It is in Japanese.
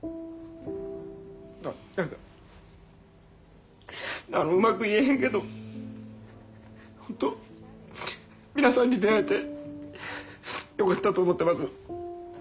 何か何かうまく言えへんけど本当皆さんに出会えてよかったと思ってます。